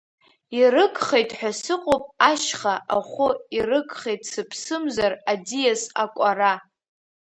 Ирыгхеит ҳәа сыҟоуп ашьха, ахәы, ирыгхеит, сыԥсымзар, аӡиас, акәара.